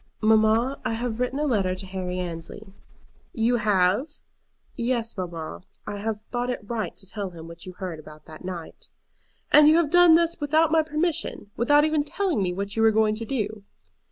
"Mamma, I have written a letter to Harry Annesley." "You have?" "Yes, mamma; I have thought it right to tell him what you had heard about that night." "And you have done this without my permission, without even telling me what you were going to do?"